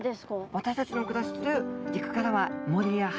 私たちの暮らしてる陸からは森や林の栄養ですね。